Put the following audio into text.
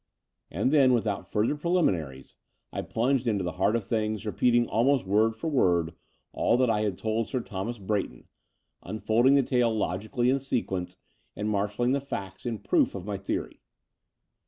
And then, without further preliminaries, I plunged into the heart of things, repeating almost word for word all that I had told Sir Thomas Brayton, unfolding the tale logically in sequence, and marshalling the facts in proof of my theory.